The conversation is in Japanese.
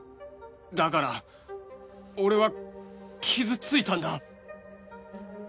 だから俺は傷ついたんだ！